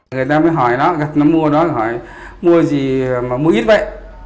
người ta mới hỏi nó nó mua đó hỏi mua gì mà mua ít vậy